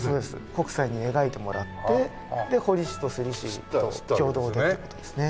北斎に描いてもらって彫師と摺師と共同でって事ですね。